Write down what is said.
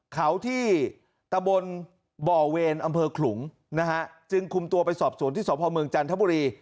เขาที่ตะบนบ่อเวรอำเภอขลุงนะฮะจึงคุมตัวไปสอบสวนที่สพเมืองจันทบุรี